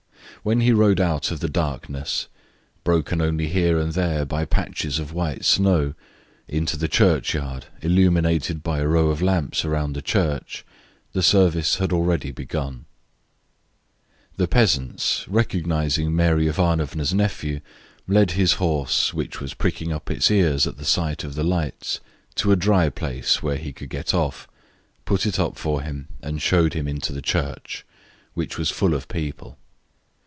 When he rode out of the darkness, broken only here and there by patches of white snow, into the churchyard illuminated by a row of lamps around the church, the service had already begun. The peasants, recognising Mary Ivanovna's nephew, led his horse, which was pricking up its ears at the sight of the lights, to a dry place where he could get off, put it up for him, and showed him into the church, which was full of people.